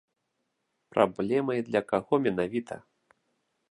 Праблемай для каго менавіта?